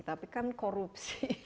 tapi kan korupsi